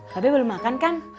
babe belum makan kan